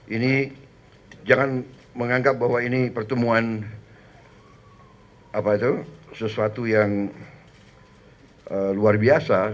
ini jangan menganggap bahwa ini pertemuan sesuatu yang luar biasa